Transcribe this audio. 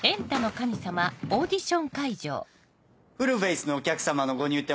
フルフェースのお客さまのご入店